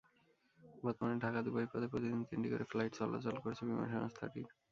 বর্তমানে ঢাকা-দুবাই পথে প্রতিদিন তিনটি করে ফ্লাইট চলাচল করছে বিমান সংস্থাটির।